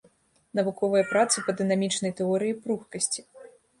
Навуковыя працы па дынамічнай тэорыі пругкасці.